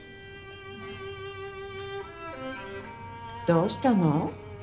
どうしたの？